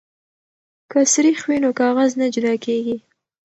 که سريښ وي نو کاغذ نه جدا کیږي.